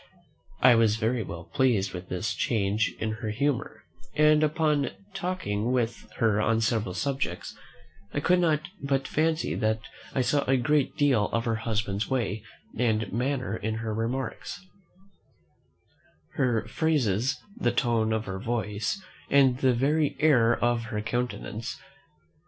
I was very well pleased with this change in her humour; and, upon talking with her on several subjects, I could not but fancy that I saw a great deal of her husband's way and manner in her remarks, her phrases, the tone of her voice, and the very air of her countenance.